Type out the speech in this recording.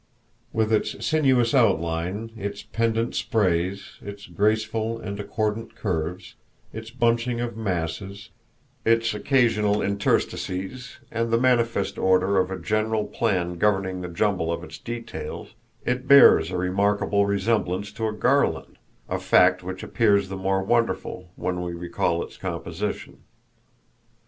With its sinuous outline, its pendant sprays, its graceful and accordant curves, its bunching of masses, its occasional interstices, and the manifest order of a general plan governing the jumble of its details, it bears a remarkable resemblance to a garland—a fact which appears the more wonderful when we recall its composition.